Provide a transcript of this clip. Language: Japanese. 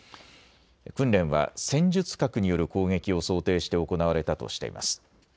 訓練は戦術核による攻撃を想定して行われたとしています。